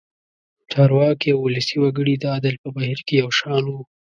چارواکي او ولسي وګړي د عدل په بهیر کې یو شان وو.